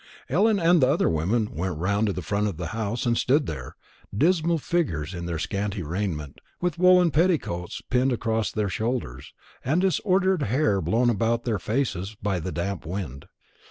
Ellen and the other women went round to the front of the house, and stood there, dismal figures in their scanty raiment, with woollen petticoats pinned across their shoulders, and disordered hair blown about their faces by the damp wind.